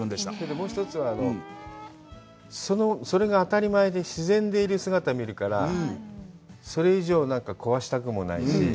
もう一つは、それが当たり前で自然でいる姿を見るから、それ以上、なんか壊したくないし。